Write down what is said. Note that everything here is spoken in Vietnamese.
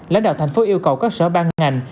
lãnh đạo thành phố yêu cầu các sở ban ngành